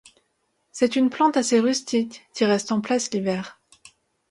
C'est une plante assez rustique qui reste en place l'hiver.